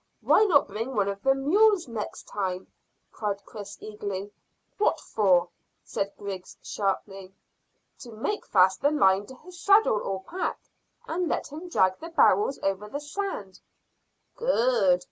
"Why not bring one of the mules next time?" cried Chris eagerly. "What for?" said Griggs sharply. "To make fast the line to his saddle or pack, and let him drag the barrels over the sand." "Good!"